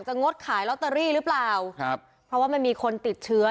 งดขายลอตเตอรี่หรือเปล่าครับเพราะว่ามันมีคนติดเชื้อ